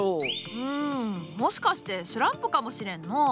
うんもしかしてスランプかもしれんのう。